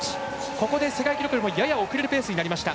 ここで世界記録よりもやや遅れるペースとなりました。